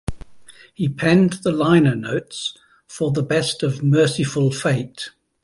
He penned the liner notes for the Best of Mercyful Fate.